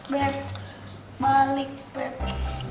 beb balik beb